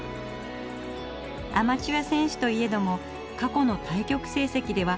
アマチュア選手といえども過去の対局成績ではほぼごかく。